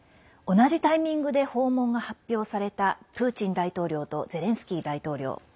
同じタイミングで訪問が発表されたプーチン大統領とゼレンスキー大統領。